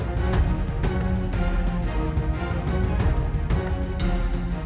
tidak ada apa apa